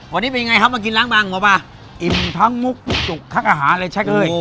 วันนี้เป็นยังไงครับมากินหลังบังเหรอป่าวอิ่มทั้งมุกจุกทั้งอาหารเลย